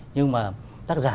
nhưng mà tác giả